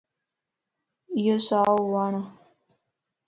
ايو سائو وڙَ